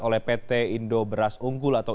oleh pt indo beras unggul atau